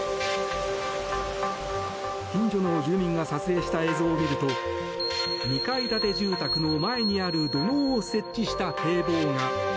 近所の住民が撮影した映像を見ると２階建て住宅の前にある土のうを設置した堤防が。